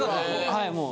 はいもう。